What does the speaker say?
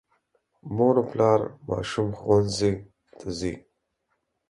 مور او پلار ماشوم ښوونځي ته ځي.